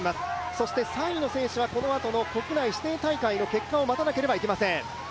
そして３位の選手はこのあとの国内指定大会の結果を待たなければいけません。